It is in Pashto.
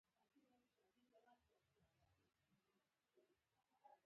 دېره اسمعیل خان خو یې لار وه.